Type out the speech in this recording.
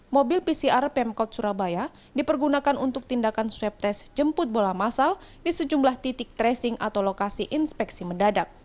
mobil pcr pemkot surabaya dipergunakan untuk tindakan swab test jemput bola masal di sejumlah titik tracing atau lokasi inspeksi mendadak